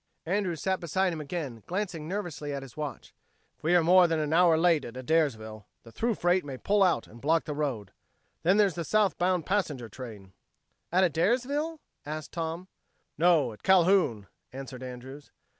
Andrews sat beside him again, glancing nervously at his watch. "If we are more than an hour late at Adairsville, the through freight may pull out and block the road. Then there's the southbound passenger train." "At Adairsville?" asked Tom. "No, at Calhoun," answered Andrews.